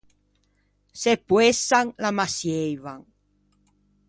Se poësan l’ammassieivan.